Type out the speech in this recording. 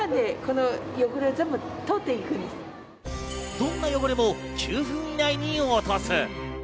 どんな汚れも９分以内に落とす。